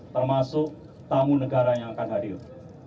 termasuk tamu negara yang akan hadir